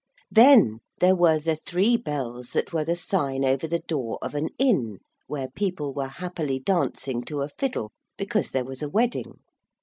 Then there were the three bells that were the sign over the door of an inn where people were happily dancing to a fiddle, because there was a wedding.